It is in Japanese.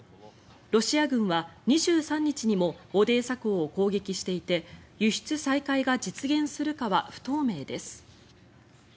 ロシア軍は２３日にもオデーサ港を攻撃していて輸出再開が実現するかは不透明です。